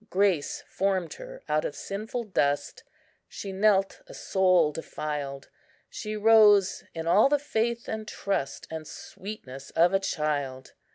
"Grace formed her out of sinful dust; She knelt a soul defiled; She rose in all the faith and trust And sweetness of a child.